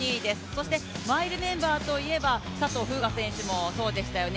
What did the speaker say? そして、マイルメンバーといえば佐藤風雅選手もそうでしたよね。